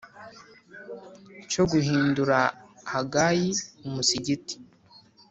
cyo guhindura Hagia umusigiti.